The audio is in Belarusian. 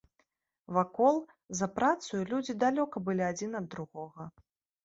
Вакол, за працаю людзі далёка былі адзін ад другога.